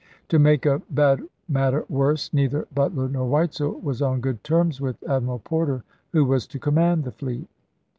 To make a bad matter worse neither Butler nor Weitzel was on good terms with Ad miral Porter, who was to command the fleet.